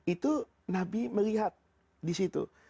itu nabi melihat disitu